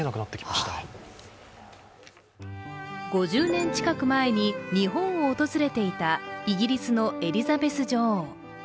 ５０年近く前に日本を訪れていたイギリスのエリザベス女王。